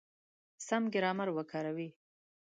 سم ګرامر وکاروئ!